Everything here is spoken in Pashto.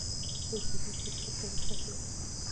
په ځیږه صورت د ګلو ساتل زده کړه.